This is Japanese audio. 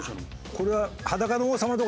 これは。